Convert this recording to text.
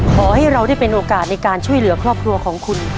ขอให้เราได้เป็นโอกาสในการช่วยเหลือครอบครัวของคุณ